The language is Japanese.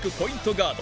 ガード